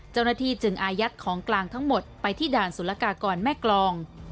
เจ้าหน้าที่จึงอายัดของกลางทั้งหมดไปที่ด่านสุรกากรแม่กรอง